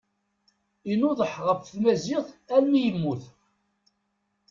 Inuḍeḥ ɣef tmaziɣt almi yemmut.